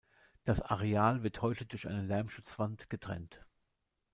Das Areal wird heute durch eine Lärmschutzwand getrennt.